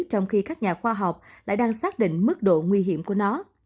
trong khi các nhà khoa học lại đang xác định mức độ nguy hiểm của nó